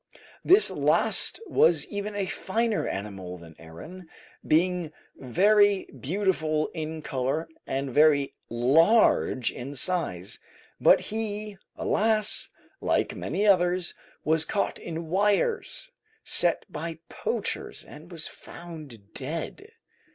This last was even a finer animal than Aaron, being very beautiful in colour and very large in size; but he, alas! like many others, was caught in wires set by poachers, and was found dead.